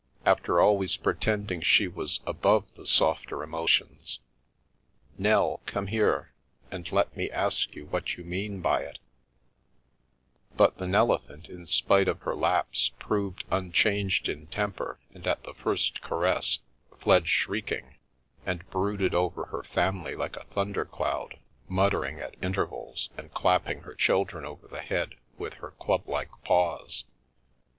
After always pretending she was above the softer emotions ! Nell, come here, and let me ask you what you mean by it/ 9 But the Nelephant, in spite of her lapse, proved un changed in temper, and at the first caress fled shrieking, and brooded over her family like a thunder cloud, mut tering at intervals, and clapping her children over the head with her club like paws.